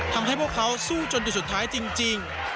ทำให้พวกเขาสู้จนดูสุดท้ายจริง